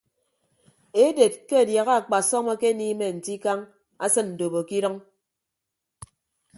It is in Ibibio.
Eded ke adiaha akpasọm akeniime nte ikañ asịn ndobo ke idʌñ.